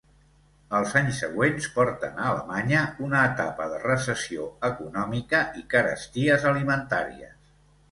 Els anys següents porten a Alemanya una etapa de recessió econòmica i caresties alimentàries.